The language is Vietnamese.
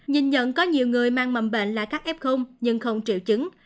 nhìn nhận có nhiều người mang mầm bệnh là các f nhưng không triệu chứng